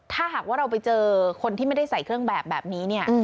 ถ้าหากว่าเราไปเจอคนที่ไม่ได้ใส่เครื่องแบบนี้เนี่ย